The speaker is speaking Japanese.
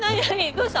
どうした？